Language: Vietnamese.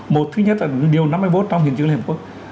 một thứ nhất là điều năm mươi vốt trong chiến dịch quân sự